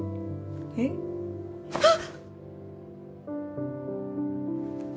えっ？あっ！